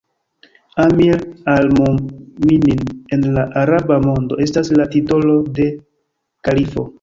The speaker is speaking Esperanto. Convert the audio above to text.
Amir al-Mu'minin en la araba mondo estas la titolo de kalifo.